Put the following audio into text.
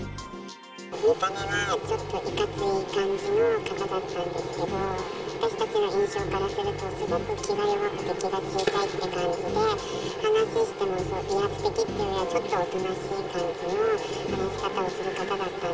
見た目はちょっといかつい感じの方だったんですけど、私たちの印象からすると、すごく気が弱くて、気が小さいって感じで、話しても威圧的というよりは、ちょっとおとなしい感じの話し方